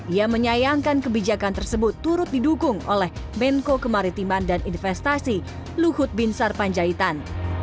ia menyayangkan kebijakan tersebut turut didukung oleh menko kemaritiman dan investasi luhut binsar panjaitan